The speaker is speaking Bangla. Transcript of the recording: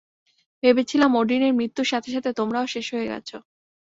ভেবেছিলাম ওডিনের মৃত্যুর সাথে সাথে তোমরাও শেষ হয়ে গেছো।